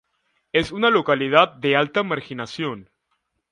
Es una localidad de alta marginación.